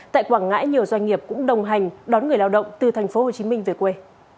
tại quảng ngãi nhiều doanh nghiệp cũng đồng hành đón người lao động từ tp hcm về quê